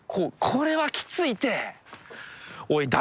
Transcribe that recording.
これはきついて。